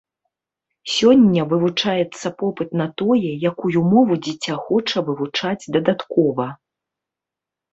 Сёння вывучаецца попыт на тое, якую мову дзіця хоча вывучаць дадаткова.